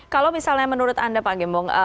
kalau misalnya menurut anda pak gembong